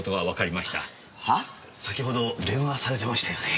先ほど電話されてましたよね？